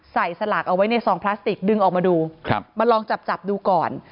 สลากเอาไว้ในซองพลาสติกดึงออกมาดูมาลองจับจับดูก่อน